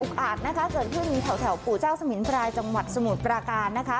อาจนะคะเกิดขึ้นแถวปู่เจ้าสมินพรายจังหวัดสมุทรปราการนะคะ